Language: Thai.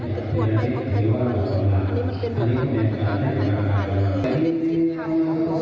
คือเป็นชิ้นไพรหัวของโมนกูยันไทยพ่อหนู